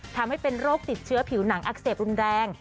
ทำให้เป็นโรคติดเชื้อผิวหนังอักเสบรุนแรง